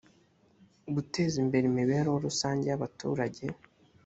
guteza imbere imibereho rusange y’ abaturage